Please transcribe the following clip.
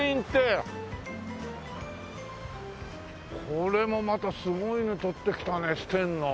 これもまたすごいの取ってきたねえステンの。